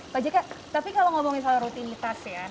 pak jk tapi kalau ngomongin soal rutinitas ya